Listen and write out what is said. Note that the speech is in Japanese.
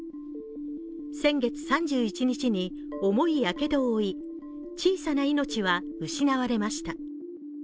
先月３１日に重いやけどを負い、小さな命は失われました。